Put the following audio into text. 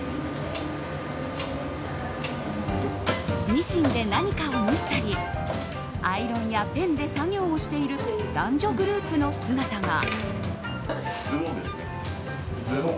ミシンで何かを縫ったりアイロンやペンで作業をしている男女グループの姿が。